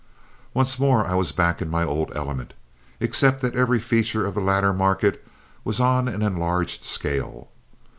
Once more I was back in my old element, except that every feature of the latter market was on an enlarged scale.